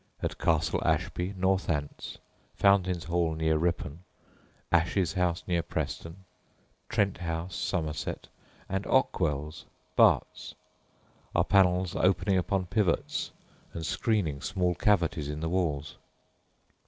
At Castle Ashby, Northants; Fountains Hall, near Ripon; Ashes House, near Preston; Trent House, Somerset; and Ockwells, Berks, are panels opening upon pivots and screening small cavities in the walls.